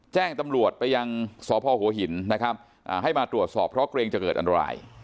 แจ้งตำรวจไปยังสพหัวหินนะครับให้มาตรวจสอบเพราะเกรงจะเกิดอันตราย